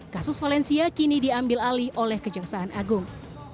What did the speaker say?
kasus valencia kini diambil alih oleh kejaksaan agung